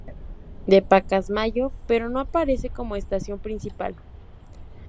De Pacasmayo, pero no aparece como estación principal.